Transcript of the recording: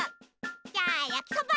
じゃあやきそば！